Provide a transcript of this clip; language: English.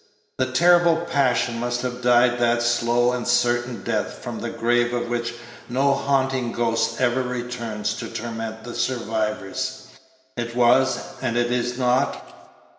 The terrible passion must have died that slow and certain death from the grave of which no haunting ghost ever returns to torment the survivors. It was, and it is not.